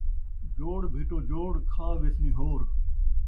جوڑ بھیٹو جوڑ، کھا ویسنیں ہور